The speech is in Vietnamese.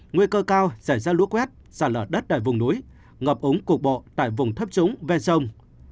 nguy cơ cao xảy ra lũ quét xả lở đất tại vùng núi ngập ống cục bộ tại vùng thấp trúng ven sông